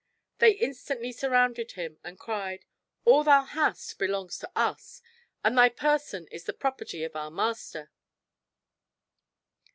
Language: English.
They instantly surrounded him and cried, "All thou hast belongs to us, and thy person is the property of our master."